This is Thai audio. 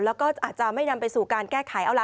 แล้วก็อาจจะไม่นำไปสู่การแก้ไขเอาล่ะ